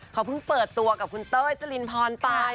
เขาเพิ่งเปิดตัวกับคุณเต้ยจรินพรไป